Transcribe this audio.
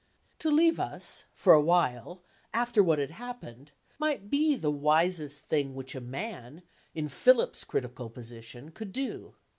To leave us (for a while), after what had happened, might be the wisest thing which a man, in Philip's critical position, could do.